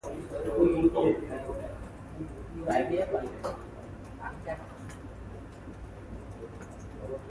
When it comes to shopping, everyone has their own preferences and habits.